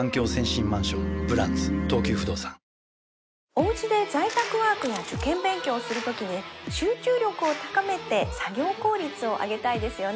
おうちで在宅ワークや受験勉強をするときに集中力を高めて作業効率を上げたいですよね